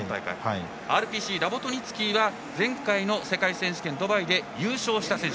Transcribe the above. ＲＰＣ、ラボトニツキーは前回の世界選手権ドバイで優勝した選手。